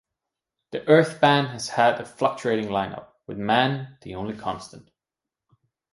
The Earth Band has had a fluctuating line-up, with Mann the only constant.